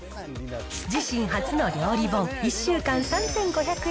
自身初の料理本、一週間３５００円